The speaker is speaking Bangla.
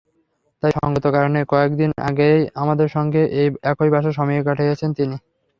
তাই সংগত কারণেই কয়েক দিন আমাদের সঙ্গে একই বাসায় সময় কাটিয়েছেন তিনি।